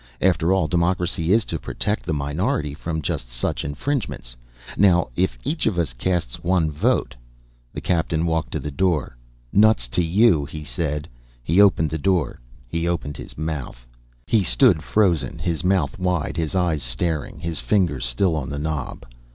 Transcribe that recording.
After all, democracy is to protect the minority from just such infringements. Now, if each of us casts one vote " The Captain walked to the door. "Nuts to you," he said. He opened the door. He opened his mouth. He stood frozen, his mouth wide, his eyes staring, his fingers still on the knob.